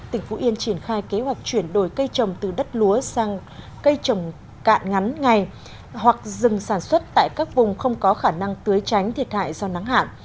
tỉnh vũ yên triển khai kế hoạch chuyển đổi cây trồng từ đất lúa sang cây trồng cạn ngắn ngày hoặc dừng sản xuất tại các vùng không có khả năng tưới tránh thiệt hại do nắng hạn